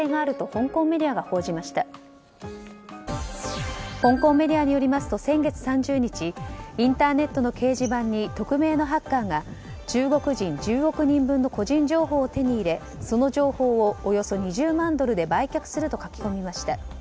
香港メディアによりますと先月３０日インターネットの掲示板に匿名のハッカーが中国人１０億人分の個人情報を手に入れその情報をおよそ２０万ドルで売却すると書き込みました。